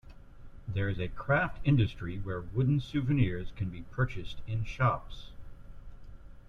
There is a craft industry where wooden souvenirs can be purchased in shops.